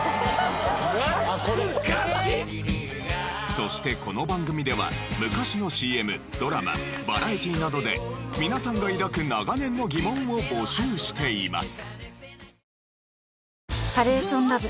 そしてこの番組では昔のＣＭドラマバラエティなどで皆さんが抱く長年の疑問を募集しています。